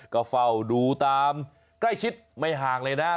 ก็เฝ้าดูตามใกล้ชิดไม่ห่างเลยนะ